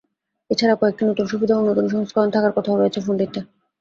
এ ছাড়া কয়েকটি নতুন সুবিধা ও নতুন সংস্করণ থাকার কথাও রয়েছে ফোনটিতে।